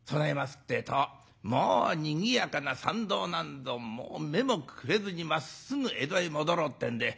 ってえともうにぎやかな参道なんぞもう目もくれずにまっすぐ江戸へ戻ろうってんで。